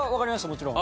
もちろん。